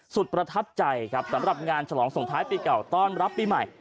ประทับใจครับสำหรับงานฉลองส่งท้ายปีเก่าต้อนรับปีใหม่